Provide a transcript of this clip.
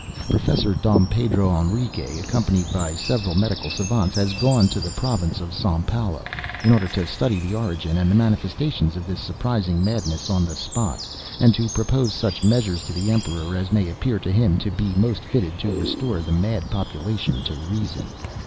"Professor Dom Pedro Henriques, accompanied by several medical savants, has gone to the Province of San Paulo, in order to study the origin and the manifestations of this surprising madness on the spot, and to propose such measures to the Emperor as may appear to him to be most fitted to restore the mad population to reason."